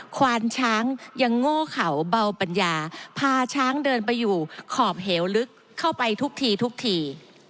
ควานช้างยังโง่เขาเบาปัญญาพาช้างเดินไปอยู่ขอบเหวลึกเข้าไปทุกทีทุกที